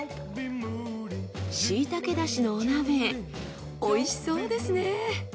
しいたけ出汁のお鍋美味しそうですね。